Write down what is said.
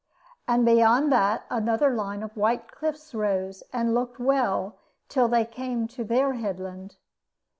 And beyond that another line of white cliffs rose, and looked well till they came to their headland.